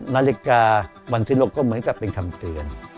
นาฬิกาวันสินโลกก็เหมือนจะเป็นคำเตือน